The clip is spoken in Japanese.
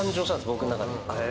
僕の中で。